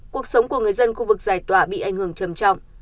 cuộc sống của người dân khu vực giải tỏa bị ảnh hưởng trầm trọng